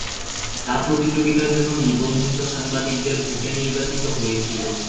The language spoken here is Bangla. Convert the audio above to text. যা প্রতিযোগিতার জন্য নিবন্ধিত সাংবাদিকদের ভোটে নির্বাচিত হয়েছিল।